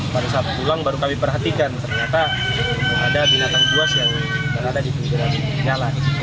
pada saat pulang baru kami perhatikan ternyata ada binatang buas yang berada di pinggiran jalan